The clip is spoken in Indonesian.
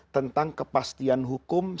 tentang kepastian hukum